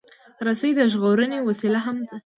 رسۍ د ژغورنې وسیله هم ده.